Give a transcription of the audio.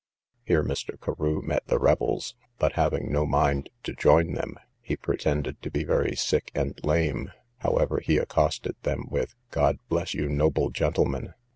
Here Mr. Carew met the rebels, but having no mind to join them, he pretended to be very sick and lame; however, he accosted them with, God bless you, noble gentlemen!